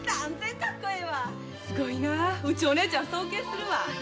すごいなうち、お姉ちゃん尊敬するわ。